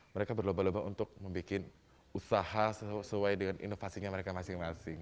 mereka berlomba lomba untuk membuat usaha sesuai dengan inovasinya mereka masing masing